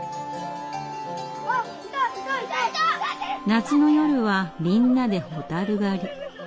夏の夜はみんなでホタル狩り。